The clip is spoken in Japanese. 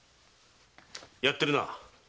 やってるな。